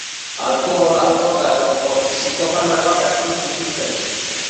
Alkohola, droga edo psikofarmakoak hartu zituzten.